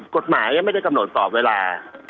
กฎหมายยังไม่ได้กำหนดกรอบเวลา